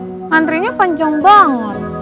pantri nya panjang banget